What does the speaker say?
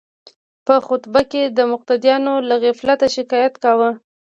په خطبه کې د مقتدیانو له غفلته شکایت کاوه.